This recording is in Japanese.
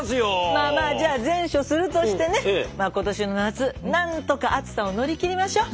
まあまあじゃあ善処するとしてね今年の夏何とか暑さを乗り切りましょう。